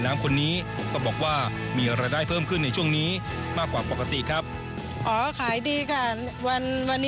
ค่ะช่วงนี้นครสวรรค์มีจัดกีฬาแห่งชาติจัดกีฬาแห่งชาติ